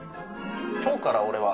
「今日から俺は！！」